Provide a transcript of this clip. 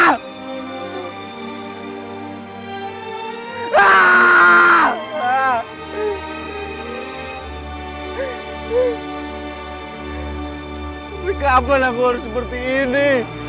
sebelum kapan aku harus seperti ini